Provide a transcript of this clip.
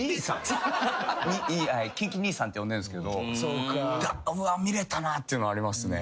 キンキ兄さんって呼んでんすけど見れたなっていうのはありますね。